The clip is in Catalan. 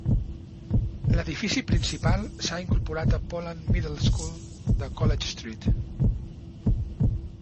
L'edifici principal s'ha incorporat a Poland Middle School de College Street.